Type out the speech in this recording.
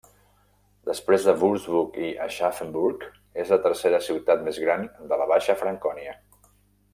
Després de Würzburg i Aschaffenburg és la tercera ciutat més gran de la Baixa Francònia.